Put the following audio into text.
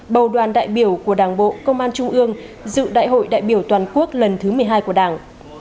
bầu đoàn đại biểu của đảng bộ công an trung ương dự đại hội đại biểu toàn quốc lần thứ một mươi hai của đảng